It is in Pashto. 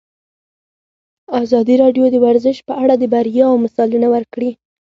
ازادي راډیو د ورزش په اړه د بریاوو مثالونه ورکړي.